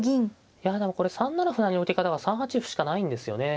いやでもこれ３七歩成の受け方が３八歩しかないんですよね。